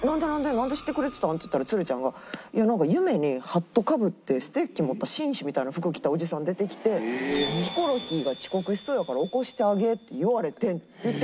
なんで知ってくれてたん？」って言ったらつるちゃんが「なんか夢にハットかぶってステッキ持った紳士みたいな服着たおじさん出てきて“ヒコロヒーが遅刻しそうやから起こしてあげ”って言われてん」って言って。